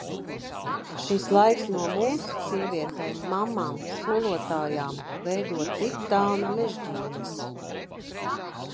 Šis laiks no mums, sievietēm, mammām, skolotājām, veido titāna mežģīnes.